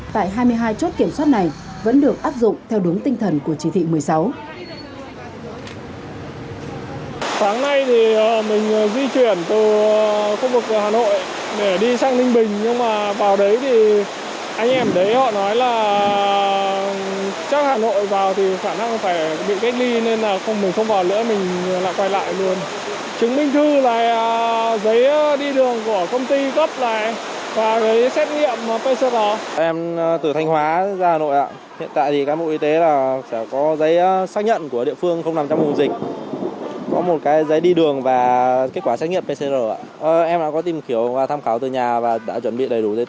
tại hai mươi hai chốt kiểm soát này vẫn được áp dụng theo đúng tinh thần của chỉ thị một mươi sáu